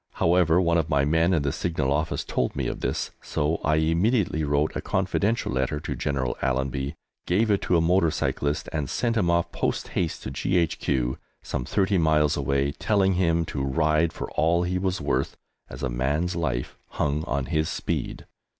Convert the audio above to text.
However, one of my men in the Signal Office told me of this, so I immediately wrote a confidential letter to General Allenby, gave it to a motor cyclist, and sent him off post haste to G.H.Q., some thirty miles away, telling him to ride for all he was worth, as a man's life hung on his speed.